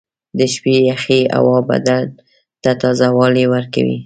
• د شپې یخې هوا بدن ته تازهوالی ورکوي.